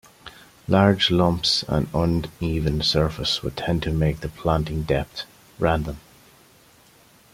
Large lumps and uneven surface would tend to make the planting depth random.